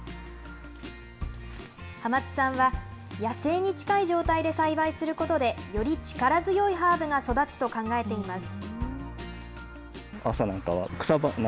浜津さんは野生に近い状態で栽培することで、より力強いハーブが育つと考えています。